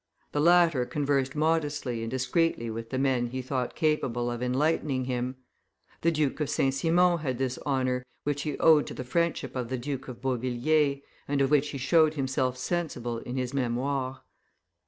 The latter conversed modestly and discreetly with the men he thought capable of enlightening him; the Duke of St. Simon had this honor, which he owed to the friendship of the Duke of Beauvilliers, and of which he showed himself sensible in his Memoires.